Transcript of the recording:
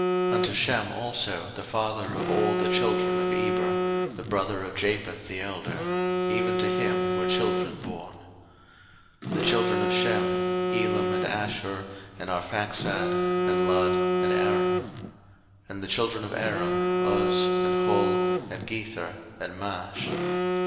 01:010:021 Unto Shem also, the father of all the children of Eber, the brother of Japheth the elder, even to him were children born. 01:010:022 The children of Shem; Elam, and Asshur, and Arphaxad, and Lud, and Aram. 01:010:023 And the children of Aram; Uz, and Hul, and Gether, and Mash.